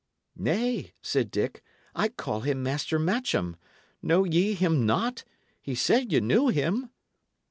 "Nay," said Dick, "I call him Master Matcham. Know ye him not? He said ye knew him!"